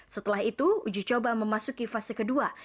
setelah itu uji coba memasuki fase kedua